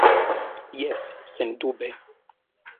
Jes, sendube.